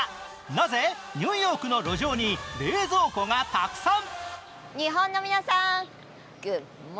なぜニューヨークの路上に冷蔵庫がたくさん。